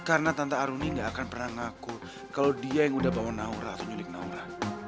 karena tante aruni gak akan pernah ngaku kalau dia yang udah bawa naura atau nyulik naura